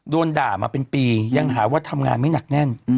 โดนด่ามาเป็นปียังหาว่าทำงานไม่หนักแน่น